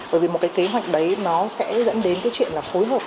bởi vì một cái kế hoạch đấy nó sẽ dẫn đến cái chuyện là phối hợp